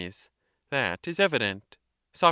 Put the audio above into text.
That is evident. Soc.